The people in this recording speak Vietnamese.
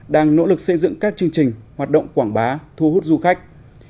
đang nỗ lực xây dựng các chương trình hoạt động quảng bá thu hút du khách